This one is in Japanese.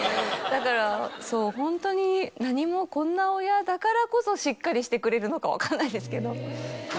だからそうホントにこんな親だからこそしっかりしてくれるのか分かんないですけど。